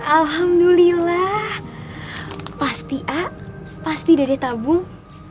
alhamdulillah pasti a pasti dari tabung